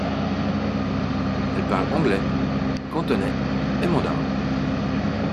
Elle parle Anglais, Cantonnais et Mandarin.